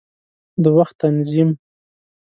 د وخت تنظیم